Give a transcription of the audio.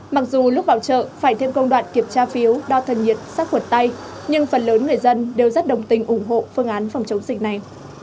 mặc dù lúc vào chợ phải thêm công đoạn kiểm tra phiếu đo thân nhiệt sát khuẩn tay nhưng phần lớn người dân đều rất đồng tình ủng hộ phương án phòng chống dịch này